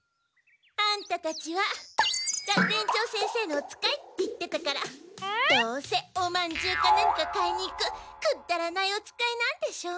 アンタたちは学園長先生のおつかいって言ってたからどうせおまんじゅうか何か買いに行くくだらないおつかいなんでしょ？